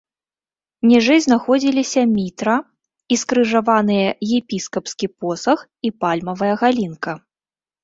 Ніжэй знаходзіліся мітра і скрыжаваныя епіскапскі посах і пальмавая галінка.